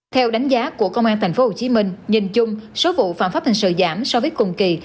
theo đánh giá của công an tp hcm nhìn chung số vụ phạm pháp hình sự giảm so với cùng kỳ